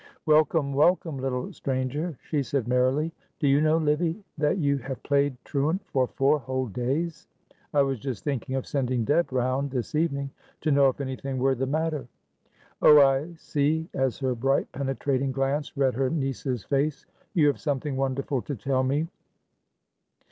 "Welcome, welcome, little stranger," she said, merrily; "do you know, Livy, that you have played truant for four whole days. I was just thinking of sending Deb round this evening to know if anything were the matter. Oh, I see," as her bright, penetrating glance read her niece's face. "You have something wonderful to tell me.